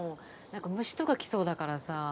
なんか虫とか来そうだからさ。